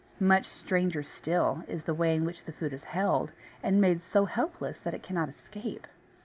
Much stranger still is the way in which the food is held, and made so helpless that it cannot escape.